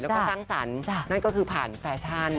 แล้วก็สร้างสรรค์นั่นก็คือผ่านแฟชั่น